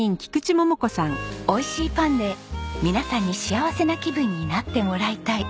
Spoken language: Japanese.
「美味しいパンで皆さんに幸せな気分になってもらいたい」。